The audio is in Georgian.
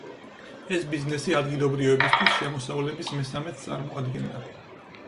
ეს ბიზნესი ადგილობრივებისთვის შემოსავლების მესამედს წარმოადგენდა.